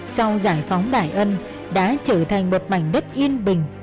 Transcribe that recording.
sau giải phóng đại ân đã trở thành một mảnh đất yên bình